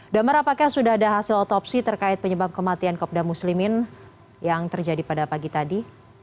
damar apakah sudah ada hasil otopsi terkait penyebab kematian kopda muslimin yang terjadi pada pagi tadi